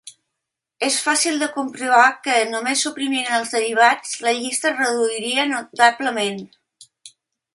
És fàcil de comprovar que, només suprimint els derivats, la llista es reduiria notablement.